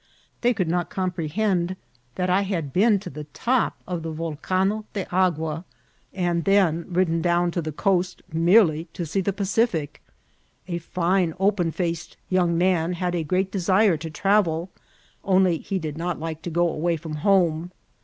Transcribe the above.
They could not comprehend that I had been to the top of the Vol cano de Agua, and then ridden down to the coast mere* ly to see the Pacific. A fine, open*faced young man had a great desire to travel, only he did not like to go away from home.